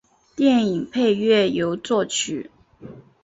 电影配乐由作曲。